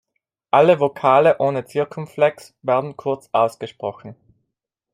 Alle Vokale ohne Zirkumflex werden kurz ausgesprochen.